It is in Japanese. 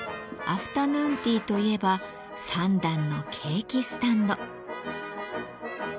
アフタヌーンティーといえば３段のケーキスタンド。